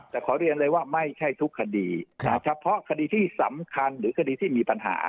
แต่ขอเรียนเลยว่าไม่ใช่ทุกคดีเฉพาะคดีที่สำคัญหรือคดีที่มีปัญหา